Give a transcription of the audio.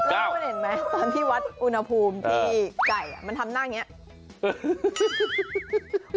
แล้วคุณเห็นไหมตอนที่วัดอุณหภูมิที่ไก่มันทำหน้าอย่างนี้